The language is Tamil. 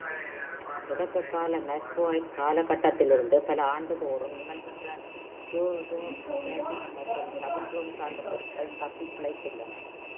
தொடக்கக்கால மஸ்கோவைட் காலகட்டத்திலிருந்து பல ஆண்டுதோறும் நிகழ்கிற, ஹேகியோகிராஃபிக் மற்றும் கவித்துவம் சார்ந்த பொருட்கள் தப்பிப்பிழைத்துள்ளன.